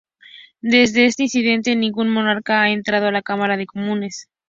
Desde este incidente, ningún monarca ha entrado en la Cámara de los Comunes.